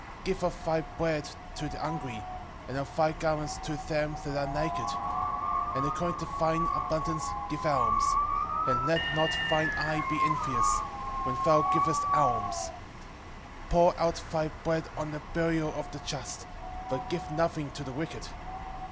4:16 Give of thy bread to the hungry, and of thy garments to them that are naked; and according to thine abundance give alms: and let not thine eye be envious, when thou givest alms. 4:17 Pour out thy bread on the burial of the just, but give nothing to the wicked.